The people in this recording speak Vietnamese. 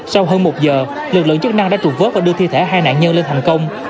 sau hơn một giờ lực lượng chức năng đã trục vớt và đưa thi thể hai nạn nhân lên thành công